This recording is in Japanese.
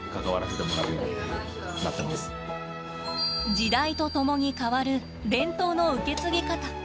時代とともに変わる伝統の受け継ぎ方。